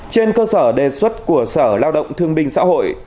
trên cơ sở đề xuất của sở lao động thương binh xã hội